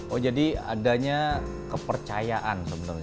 oh jadi adanya kepercayaan sebenarnya